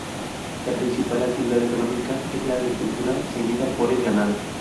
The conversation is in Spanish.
La principal actividad económica es la agricultura, seguida por el ganado.